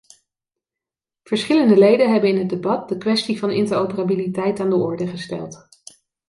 Verschillende leden hebben in het debat de kwestie van interoperabiliteit aan de orde gesteld.